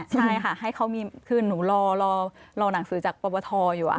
ใช่ค่ะให้เขามีคือหนูรอหนังสือจากปปทอยู่